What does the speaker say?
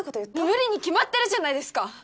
無理に決まってるじゃないですか